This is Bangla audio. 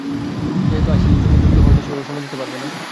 সে যেহেতু আইসিসির সঙ্গে যুক্ত, হয়তো সেভাবে সময় দিতে পারবে না।